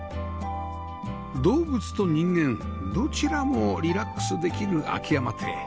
動物と人間どちらもリラックスできる穐山邸